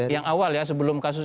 yang awal ya sebelum kasus